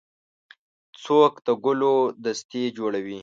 څوک د ګلو دستې جوړوي.